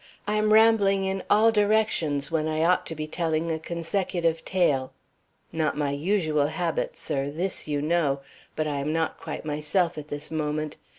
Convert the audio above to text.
I am rambling in all directions when I ought to be telling a consecutive tale. Not my usual habit, sir; this you know; but I am not quite myself at this moment.